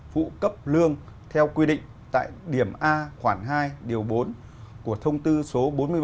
phụ cấp lương theo quy định tại điểm a khoảng hai điều bốn của thông tư số bốn mươi bảy